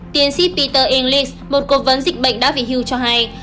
tiến sĩ peter englis một cố vấn dịch bệnh đã bị hưu cho hay